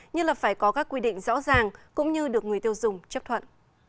như là phải có các quy định rõ ràng cũng như được người tiêu dùng chấp thuận